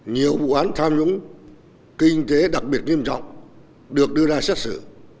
nhiều vụ án tham nhũng kinh tế đặc biệt nghiêm trọng được đưa ra xét xử